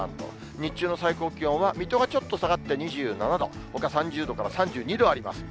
日中の最高気温は、水戸がちょっと下がって２７度、ほか３０度から３２度あります。